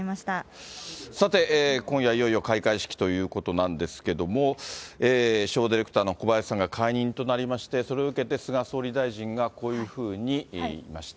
さて、今夜いよいよ開会式ということなんですけれども、ショーディレクターの小林氏が解任となりまして、それを受けて、菅総理大臣がこういうふうに言いました。